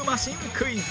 クイズ。